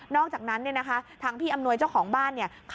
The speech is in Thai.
นอกจากนั้นทางพี่อำนวยเจ้าของบ้าน